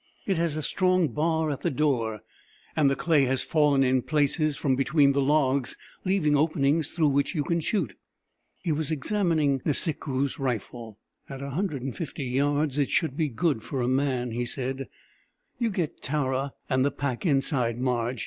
"It has a strong bar at the door, and the clay has fallen in places from between the logs leaving openings through which you can shoot!" He was examining Nisikoos' rifle. "At 150 yards it should be good for a man," he said. "You get Tara and the pack inside, Marge.